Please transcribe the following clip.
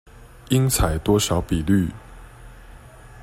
應採多少比率